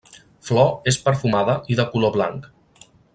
Flor és perfumada i de color blanc.